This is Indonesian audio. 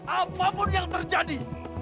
apapun yang terjadi